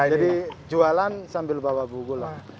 jadi jualan sambil bawa buku lah